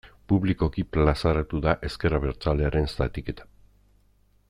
Publikoki plazaratu da ezker abertzalearen zatiketa.